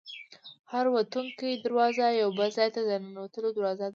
هره وتونکې دروازه یو بل ځای ته د ننوتلو دروازه ده.